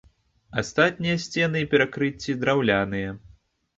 Астатнія сцены і перакрыцці драўляныя.